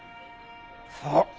そう。